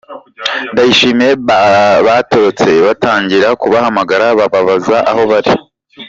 Ndayishimiye batorotse, batangira kubahamagara bababaza aho bari.